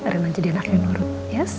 rena jadi anak yang nurut yes